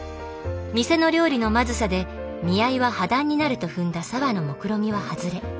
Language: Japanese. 店の料理のまずさで見合いは破談になると踏んだ沙和のもくろみは外れ美咲って呼んで下さい。